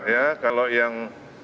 ya kalau yang